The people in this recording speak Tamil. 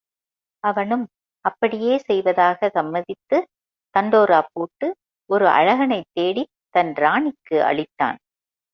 அவனும் அப்படியே செய்வதாக சம்மதித்து தண்டோரா போட்டு ஒரு அழகனைத் தேடித் தன் ராணிக்கு அளித்தான்.